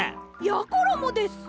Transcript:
やころもです！